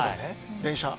電車